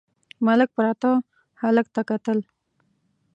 ملک پراته هلک ته کتل….